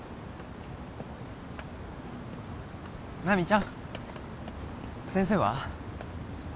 奈未ちゃん先生は？